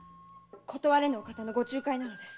断れぬお方のご仲介なのです。